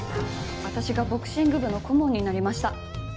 私がボクシング部の顧問になりました。